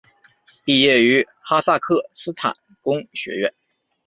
毕业于哈萨克斯坦工学院。